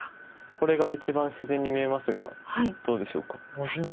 これが一番自然に見えますがどうでしょうか。